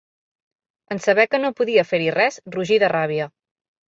En saber que no podia fer-hi res, rugí de ràbia.